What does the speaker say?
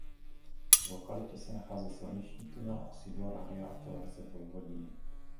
V lokalitě se nachází silniční tunel a sídlo Rádia a televize Vojvodiny.